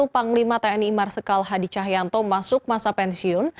panglima tni marsikal hadi cahyanto masuk masa pensiun